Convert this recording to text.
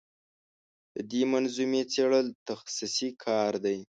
د دې منظومې څېړل تخصصي کار دی.